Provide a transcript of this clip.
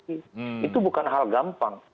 itu bukan hal gampang